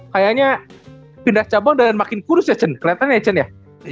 kayaknya pindah cabang dan makin kurus ya cun keliatannya ya cun ya